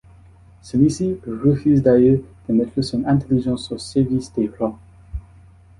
Celui-ci refuse d’ailleurs de mettre son intelligence au service des rois.